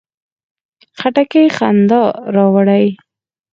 خټکی خندا راوړي.